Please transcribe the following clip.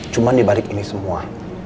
cuman dibalik ini semua